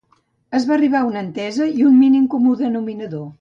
Es va arribar a una entesa i un mínim comú denominador.